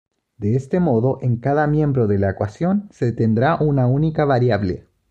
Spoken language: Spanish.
De este modo, en cada miembro de la ecuación se tendrá una única variable.